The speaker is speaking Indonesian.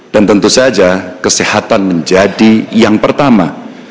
dan tentu saja kesehatan menjadi yang pertama